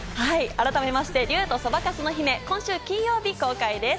『竜とそばかすの姫』、今週金曜日公開です。